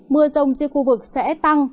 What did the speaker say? mưa rông trên khu vực sẽ tăng